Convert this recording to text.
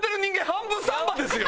半分サンバですよ？